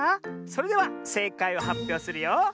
それではせいかいをはっぴょうするよ。